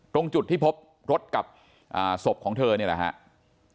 ตรงจุดที่พบรถกับศพของเธอนี่แหละครับ